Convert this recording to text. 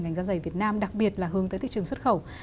ngành da dày việt nam đặc biệt là hướng tới thị trường xuất khẩu